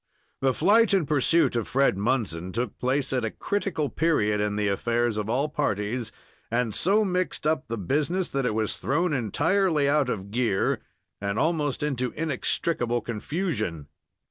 The flight and pursuit of Fred Munson took place at a critical period in the affairs of all parties and so mixed up the business that it was thrown entirely out of gear and almost into inextricable confusion.